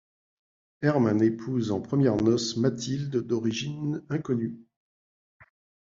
Herman épouse en premières noces Mathilde d'origines inconnues.